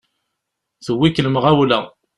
Tewwet-ik lmeɣwla!